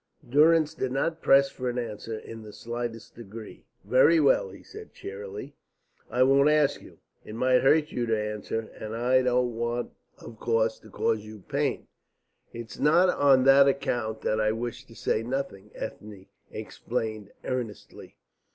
Durrance did not press for an answer in the slightest degree. "Very well," he said cheerily, "I won't ask you. It might hurt you to answer, and I don't want, of course, to cause you pain." "It's not on that account that I wish to say nothing," Ethne explained earnestly.